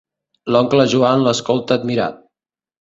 L'oncle Joan l'escolta admirat.